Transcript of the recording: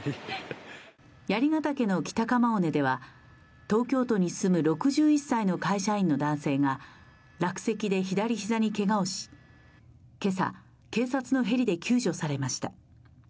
槍ヶ岳の北鎌尾根では東京都に住む６１歳の会社員の男性が落石で左ひざにけがをし、今朝警察のヘリで救助されました。